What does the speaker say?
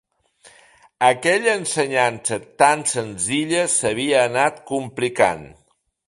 Aquella ensenyança tant senzilla s'havia anat complicant